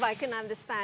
ini sangat teknis tapi